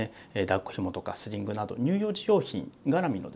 だっこひもとかスリングなど乳幼児用品がらみのですね